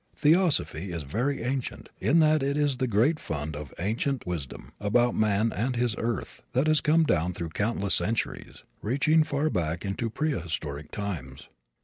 Theosophy is very ancient in that it is the great fund of ancient wisdom about man and his earth, that has come down through countless centuries, reaching far back into prehistoric times.